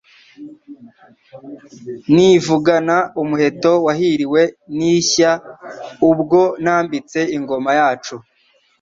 Nivugana umuheto wahiliwe n'ishya ubwo nambitse ingoma yacu.